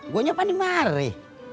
gue nyapa di mare